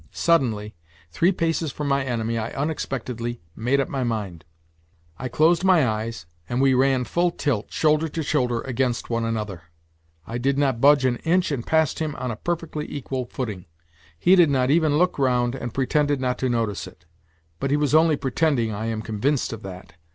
Suddenly, three paces from my enemy, I unexpectedly made up my mind I closed my eyes, and we ran full tilt, shoulder to shoulder, against one another ! I did not budge an inch and passed him on a perfectly equal footing ! He did not even look round and pretended not to notice it; but he was only pretending, I am convinced of that.